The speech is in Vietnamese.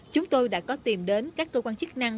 chúng tôi đã có tìm đến các cơ quan chức năng